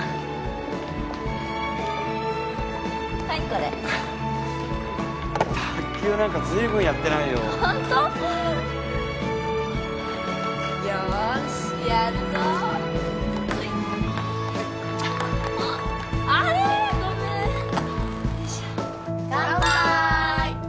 はい。